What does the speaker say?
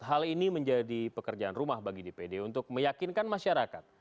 hal ini menjadi pekerjaan rumah bagi dpd untuk meyakinkan masyarakat